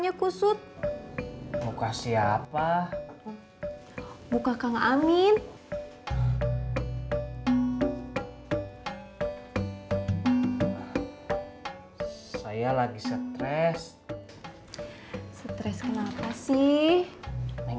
yaudah bang jalan sekarang